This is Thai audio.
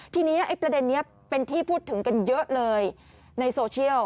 ทีนี้ประเด็นนี้เป็นที่พูดถึงกันเยอะเลยในโซเชียล